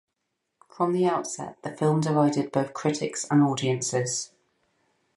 From the outset the film divided both critics and audiences.